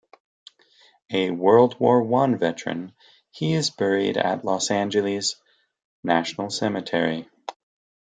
A World War One veteran, he is buried at Los Angeles National Cemetery.